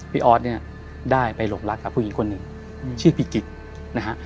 ออสเนี่ยได้ไปหลงรักกับผู้หญิงคนหนึ่งชื่อพี่กิ๊กนะฮะ